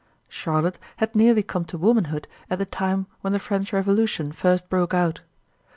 Charlotte had nearly come to womanhood at the time when the French Revolution first broke out.